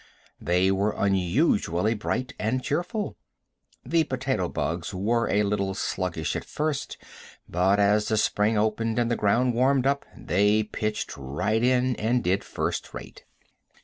They were unusually bright and cheerful. The potato bugs were a little sluggish at first, but as the spring opened and the ground warmed up they pitched right in, and did first rate.